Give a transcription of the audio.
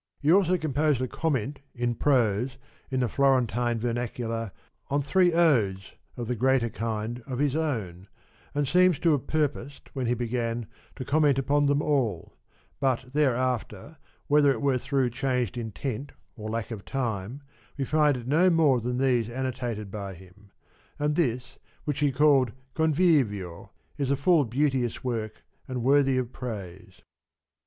He also com posed a Comment, in prose, in the Florentine ver nacular, on three Odes (of the greater kind) of his own, and seems to have purposed, when he began, to comment upon them all; but thereafter, whether it were through changed intent or lack of time, we find no more than these annotated by him ; and this, which he called Convivio, is a full beauteous work and worthy of praise.